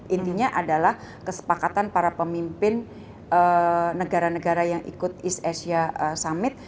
intinya adalah kesepakatan para pemimpin negara negara yang ikut east asia summit